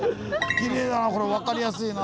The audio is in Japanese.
きれいだなこれ分かりやすいな！